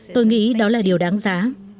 tôi nghĩ đó là điều đáng giá